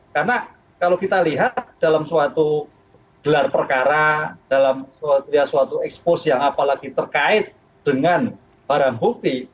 karena kalau kita lihat dalam suatu gelar perkara dalam suatu expose yang apalagi terkait dengan barang bukti